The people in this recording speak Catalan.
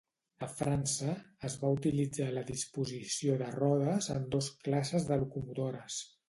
A França, es va utilitzar la disposició de rodes en dos classes de locomotores.